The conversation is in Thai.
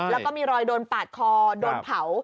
แล้วก็มีรอยโดนปาดคอโดนเผา